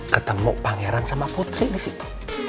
ketemu pangeran sama putri di situ